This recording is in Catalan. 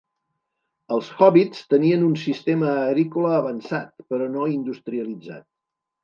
Els hòbbits tenien un sistema agrícola avançat, però no industrialitzat.